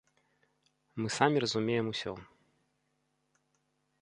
Мы самі разумеем усё.